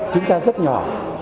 chúng ta rất nhỏ